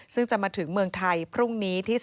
ซึ่งจะมาถึงเมืองไทยพรุ่งนี้ที่๓